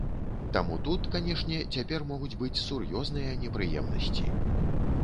Таму тут, канешне, цяпер могуць быць сур'ёзныя непрыемнасці.